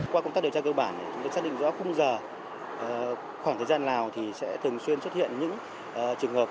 qua công tác điều tra cơ bản chúng tôi xác định rõ khung giờ khoảng thời gian nào thì sẽ thường xuyên xuất hiện những trường hợp